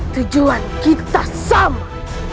tujuan kita sama